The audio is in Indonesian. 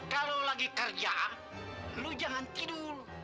kalau lagi kerja lu jangan tidur